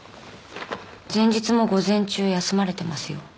前日も午前中休まれてますよ